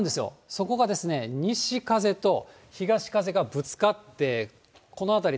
そこが西風と東風がぶつかって、この辺り、